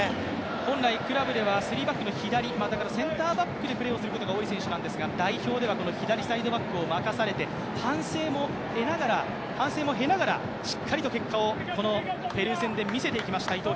本来クラブではスリーバックの左、センターバックでプレーをすることが多い選手なんですが代表ではこの左サイドバックを任されて、反省も経ながらしっかりと結果をペルー戦で見せていきました。